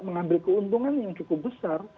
mengambil keuntungan yang cukup besar